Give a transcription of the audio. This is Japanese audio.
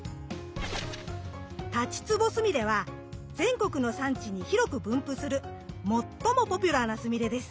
タチツボスミレは全国の山地に広く分布する最もポピュラーなスミレです。